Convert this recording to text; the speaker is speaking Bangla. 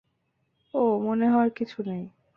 ওহ, মনে হওয়ার কিছু নেই।